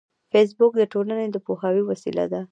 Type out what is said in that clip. فېسبوک د ټولنې د پوهاوي وسیله ده